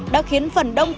đã khiến phần đông cậu bé